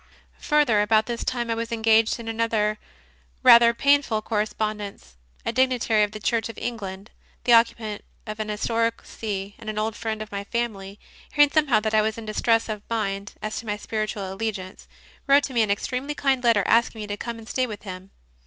Further, about this time I was engaged in an other rather painful correspondence. A dignitary of the Church of England, the occupant of an his toric see and an old friend of my family, hearing somehow that I was in distress of mind as to my CONFESSIONS OF A CONVERT 123 spiritual allegiance, wrote to me an extremely kind letter, asking me to come and stay with him.